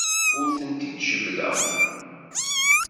Ur ten-id-jebbdeɣ.